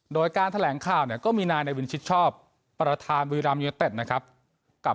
โดยการแถลงข่าวเนี่ยก็มีนายในวินชิดชอบประธานบุรีรัมยูเนเต็ดนะครับกับ